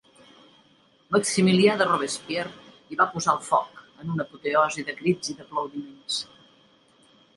Maximilià de Robespierre hi va posar el foc, en una apoteosi de crits i d'aplaudiments.